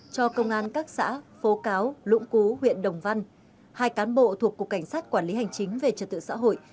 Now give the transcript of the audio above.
cho công an các xã phố cáo lũng cú huyện đồng văn hai cán bộ thuộc cục cảnh sát quản lý hành chính về trật tự xã hội